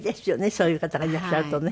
そういう方がいらっしゃるとね。